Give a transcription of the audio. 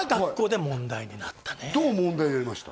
どう問題になりました？